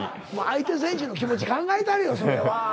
相手選手の気持ち考えたれよそれは。